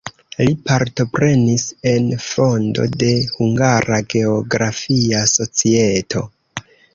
Li partoprenis en fondo de "Hungara Geografia Societo".